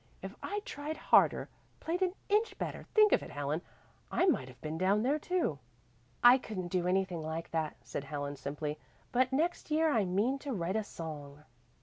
If I'd tried harder played an inch better think of it, Helen, I might have been down there too!" "I couldn't do anything like that," said Helen simply, "but next year I mean to write a song."